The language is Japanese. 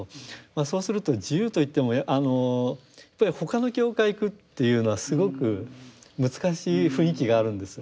そうすると自由といってもあのやっぱり他の教会行くっていうのはすごく難しい雰囲気があるんですよ。